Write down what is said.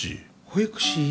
保育士？